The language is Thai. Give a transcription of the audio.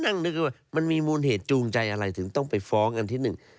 นั่งนึกว่ามันมีมูลเหตุจูงใจอะไรถึงต้องไปฟ้องอันที่หนึ่ง